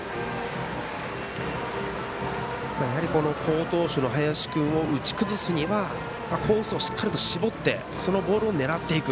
好投手の林君を打ち崩すにはコースをしっかりと絞ってそのボールを狙っていく。